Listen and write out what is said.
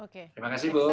terima kasih bu